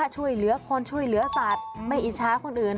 ช่วยเหลือคนช่วยเหลือสัตว์ไม่อิจฉาคนอื่น